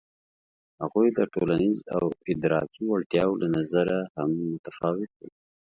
هغوی د ټولنیزو او ادراکي وړتیاوو له نظره هم متفاوت وو.